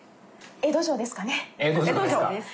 江戸城ですよね。